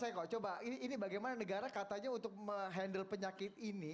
baik mas eko coba ini bagaimana negara katanya untuk mengendal penyakit ini